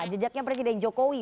jejaknya presiden jokowi